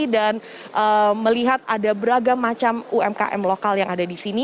dan melihat ada beragam macam umkm lokal yang ada di sini